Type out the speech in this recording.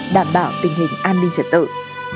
đảm bảo tình hình an toàn